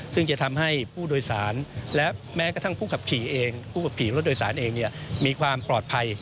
ซึ่งจะทำให้ผู้โดยสารและแม้กระทั่งผู้ขับขี่รถโดยสารเองเนี่ยมีความปลอดภัย